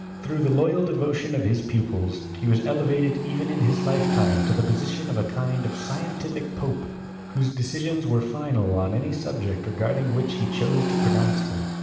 Through the loyal devotion of his pupils, he was elevated even in his lifetime into the position of a kind of scientific pope, whose decisions were final on any subject regarding which WERNER AND HUTTON 51 he chose to pronounce them.